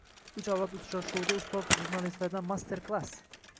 “Uch avlod uchrashuvi”da ustoz jurnalistlardan “master klass”